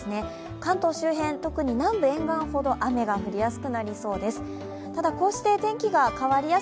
関東周辺、特に南部沿岸ほど雨が降りやすくなりそうです。